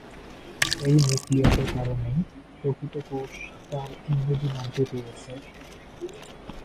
এই নিউক্লিয়াসের কারণেই প্রকৃত কোষ তার ইংরেজি নামটি পেয়েছে।